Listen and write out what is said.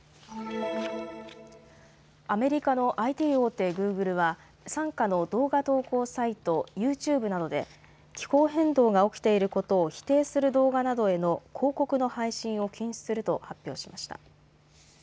アメリカのＩＴ大手、グーグルは傘下の動画投稿サイト、ユーチューブなどで気候変動が起きていることを否定する動画などへの広告の配信を禁止すると発表しました。